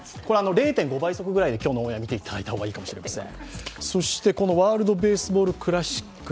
０．５倍速ぐらいで、今日のオンエア見ていただいた方がいいかもしれません。